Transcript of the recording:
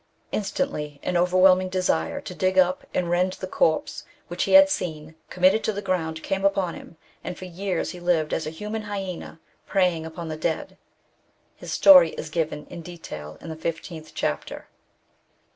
Instantly an overwhelming desire to dig up and rend the corpse which he had seen committed to the ground came upon him, and for years he lived as a human hyaona, preying upon the dead. His story is given in detail in the fifteenth chapter.